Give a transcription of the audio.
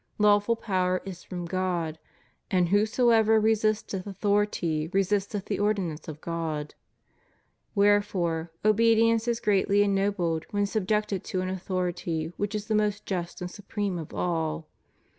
Lawful power is from God, and whosoever resisteth avihority resisteth the ordinance of God; wherefore obedience is greatly ennobled when sub jected to an authority which is the most just and supreme of all.